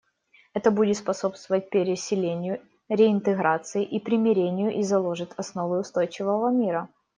Это будет способствовать переселению, реинтеграции и примирению и заложит основы устойчивого мира.